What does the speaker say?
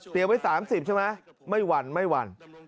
เดี๋ยวไว้๓๐ใช่ไหมไม่วันไม่วัน